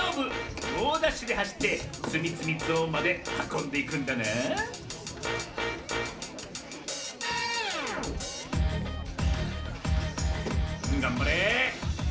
もうダッシュではしってつみつみゾーンまではこんでいくんだながんばれ。